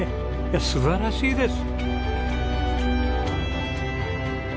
素晴らしいです！